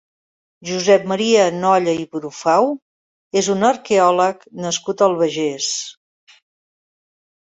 Josep Maria Nolla i Brufau és un arqueòleg nascut a l'Albagés.